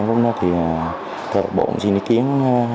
câu lạc bộ xin ý kiến